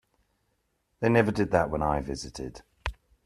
They never did that when I visited.